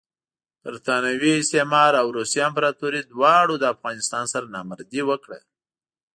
برټانوي استعمار او روسي امپراطوري دواړو له افغانستان سره نامردي وکړه.